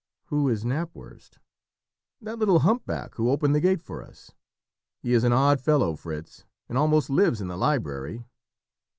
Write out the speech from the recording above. "Who is Knapwurst?" "That little humpback who opened the gate for us. He is an odd fellow, Fritz, and almost lives in the library."